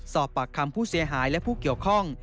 สอบปากคำผู้เสียหายและผู้เกี่ยวข้อง